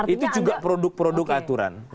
itu juga produk produk aturan